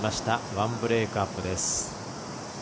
１ブレークアップです。